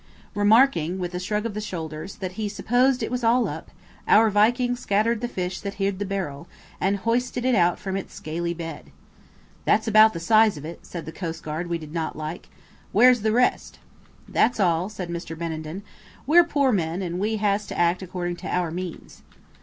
Remarking, with a shrug of the shoulders, that he supposed it was all up, our Viking scattered the fish that hid the barrel, and hoisted it out from its scaly bed. "That's about the size of it," said the coastguard we did not like. "Where's the rest?" "That's all," said Mr. Benenden. "We're poor men, and we has to act according to our means."